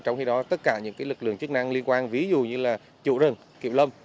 trong khi đó tất cả những lực lượng chức năng liên quan ví dụ như là chủ rừng kiệm lâm